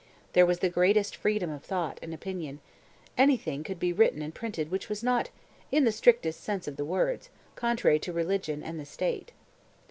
There was the greatest freedom of thought and opinion; anything could be written and printed which was not, in the strictest sense of the words, contrary to religion and the state.